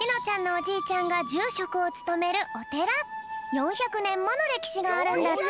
４００ねんものれきしがあるんだって！